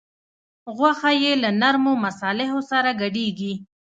غوښه یې له نرمو مصالحو سره ګډیږي.